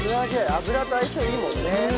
油と相性いいもんね。